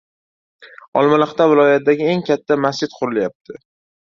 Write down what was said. Olmaliqda viloyatdagi eng katta masjid qurilyapti